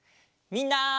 みんな！